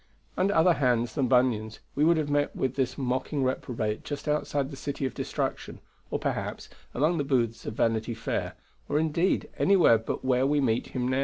Under other hands than Bunyan's we would have met with this mocking reprobate just outside the City of Destruction; or, perhaps, among the booths of Vanity Fair; or, indeed, anywhere but where we now meet him.